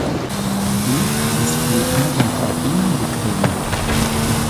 Li havas pli aĝan fratinon Victoria.